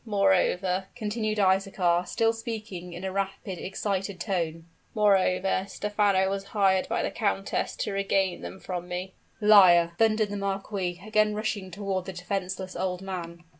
Moreover," continued Isaachar, still speaking in a rapid, excited tone "moreover, Stephano was hired by the countess to regain them from me!" "Liar!" thundered the marquis, again rushing toward the defenseless old man.